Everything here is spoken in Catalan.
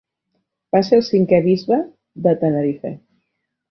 Va ser el cinquè bisbe de Tenerife.